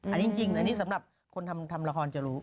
อันนี้จริงสำหรับคนทำราคารจะรู้